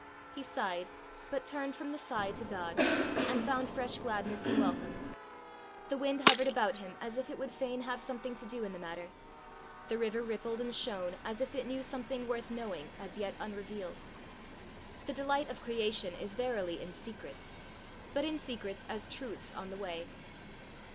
He sighed but turned from the sigh to God, and found fresh gladness and welcome. The wind hovered about him as if it would fain have something to do in the matter; the river rippled and shone as if it knew something worth knowing as yet unrevealed. The delight of creation is verily in secrets, but in secrets as truths on the way.